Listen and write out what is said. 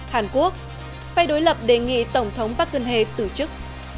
hàn quốc phải đối lập đề nghị tổng thống park geun hye tử trức